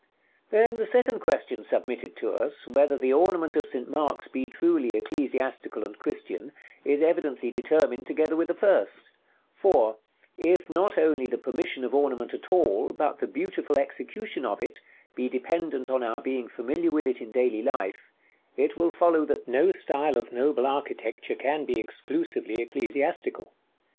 § LVI. Then the second question submitted to us, whether the ornament of St. Mark's be truly ecclesiastical and Christian, is evidently determined together with the first; for, if not only the permission of ornament at all, but the beautiful execution of it, be dependent on our being familiar with it in daily life, it will follow that no style of noble architecture can be exclusively ecclesiastical.